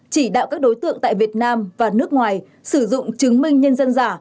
chỉ đạo các đối tượng tại việt nam và nước ngoài sử dụng chứng minh nhân dân giả